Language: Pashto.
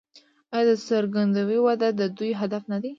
آیا د ګرځندوی وده د دوی هدف نه دی؟